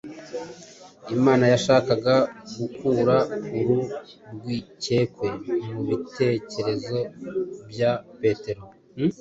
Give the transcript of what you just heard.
Imana yashakaga gukura uru rwikekwe mu bitekerezo bya Petero